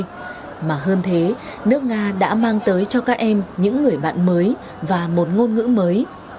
nhưng mà hơn thế nước nga đã mang tới cho các em những người bạn mới và một ngôn ngữ mới